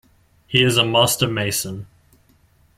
He is a Master Mason.